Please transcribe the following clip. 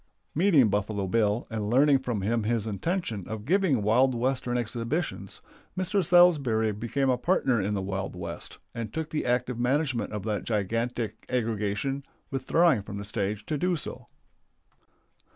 Meeting Buffalo Bill and learning from him his intention of giving wild Western exhibitions, Mr. Salsbury became a partner in the Wild West, and took the active management of that gigantic aggregation, withdrawing from the stage to do so.